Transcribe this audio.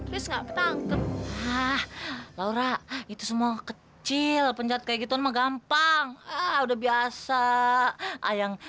kris nggak ketangkep hah laura itu semua kecil penjahat kayak gitu mah gampang udah biasa ayang